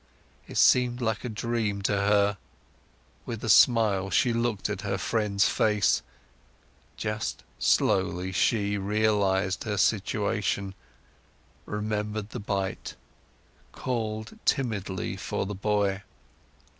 It seemed like a dream to her; with a smile, she looked at her friend's face; just slowly she, realized her situation, remembered the bite, called timidly for the boy.